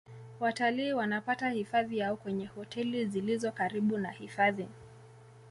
watalii wanapata hifadhi yao kwenye hoteli zilizo karibu na hifadhi